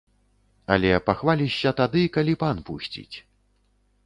Але пахвалішся тады, калі пан пусціць.